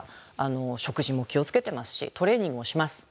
食事も気を付けてますしトレーニングもします。